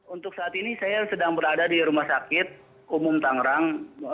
untuk saat ini saya sedang berada di rumah sakit umum tangerang